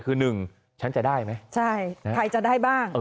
คือหนึ่งฉันจะได้ไหมใช่ใครจะได้บ้าง